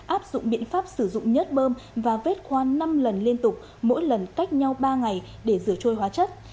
áp dụng biện pháp sử dụng nhất bơm và vết khoan năm lần liên tục mỗi lần cách nhau ba ngày để rửa trôi hóa chất